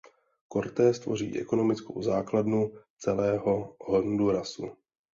Cortés tvoří ekonomickou základnu celého Hondurasu.